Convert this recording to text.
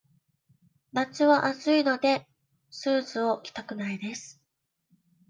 夏は暑いので、スーツを着たくないです。